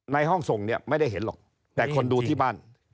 ห้องส่งเนี่ยไม่ได้เห็นหรอกแต่คนดูที่บ้าน